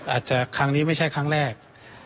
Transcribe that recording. อาจจะครั้งนี้ไม่ใช่ครั้งแรก